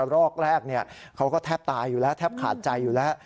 รอกแรกเขาก็แทบตายอยู่แล้วแทบขาดใจอยู่แล้ว